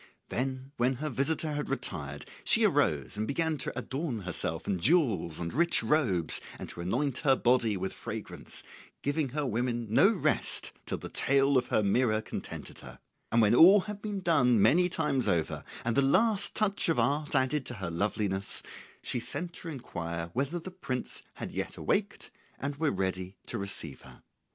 Then when her visitor had retired, she arose and began to adorn herself in jewels and rich robes and to anoint her body with fragrance, giving her women no rest till the tale of her mirror contented her; and when all had been done many times over, and the last touch of art added to her loveliness, she sent to inquire whether the prince had yet awaked and were ready to receive her. [Illustration: Till the tale of her mirror contented her.